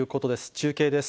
中継です。